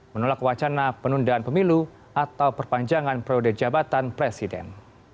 menolak wacana penundaan pemilu atau perpanjangan periode jabatan presiden